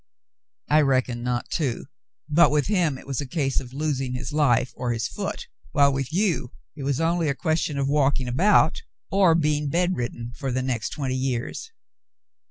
"I reckon not, too, but with him it was a case of losing his life or his foot, while with you it was only a question of walking about, or being bedridden for the next twenty years."